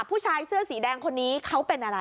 ผู้ชายเสื้อสีแดงคนนี้เขาเป็นอะไร